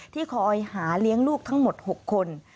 ที่คอยหาเลี้ยงลูกทั้งหมด๖คน